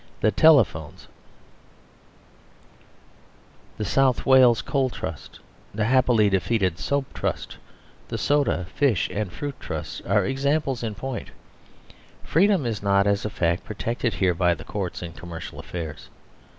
The Telephones, the South Wales Coal Trust, the happily defeated Soap Trust, the Soda, Fish, and Fruit Trusts, are examples in point. 91 THE SERVILE STATE dom is not, as a fact, protected here by the Courts in commercial affairs.